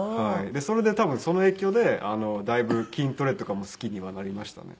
でそれで多分その影響でだいぶ筋トレとかも好きにはなりましたね。